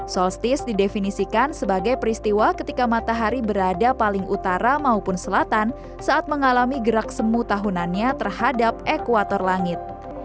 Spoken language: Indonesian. solstice didefinisikan sebagai peristiwa ketika matahari berada paling utara maupun selatan saat mengalami gerak semu tahunannya terhadap ekuator langit